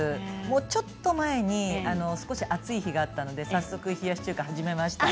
ちょっと前に少し暑い日があったので早速、冷やし中華始めました。